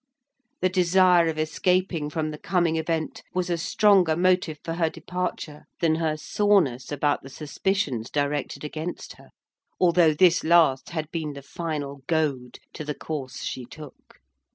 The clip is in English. The desire of escaping from the coming event was a stronger motive for her departure than her soreness about the suspicions directed against her; although this last had been the final goad to the course she took.